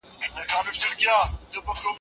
سودة بنت زمعة خپل نوبت چا ته ورکړ؟